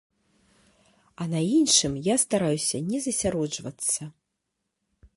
А на іншым я стараюся не засяроджвацца.